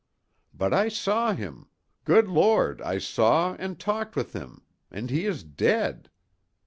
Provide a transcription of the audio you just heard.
But I saw him—good Lord, I saw and talked with him—and he is dead!